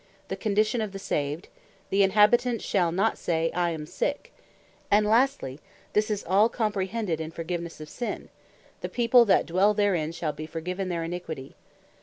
The condition of the Saved, "The Inhabitants shall not say, I am sick:" And lastly, all this is comprehended in Forgivenesse of sin, "The people that dwell therein shall be forgiven their iniquity."